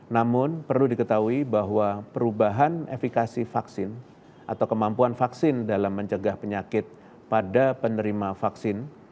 namun perlu diketahui bahwa perubahan efikasi vaksin atau kemampuan vaksin dalam mencegah penyakit pada penerima vaksin